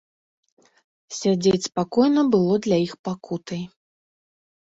Сядзець спакойна было для іх пакутай.